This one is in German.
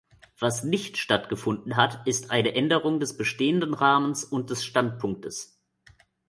Was nicht stattgefunden hat, ist eine Änderung des bestehenden Rahmens und des Standpunktes.